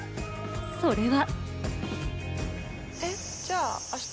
それは。